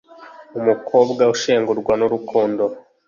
umukobwa ushengurwa n’urukundo,